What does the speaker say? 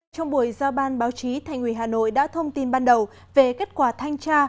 trong buổi giao ban báo chí thành ủy hà nội đã thông tin ban đầu về kết quả thanh tra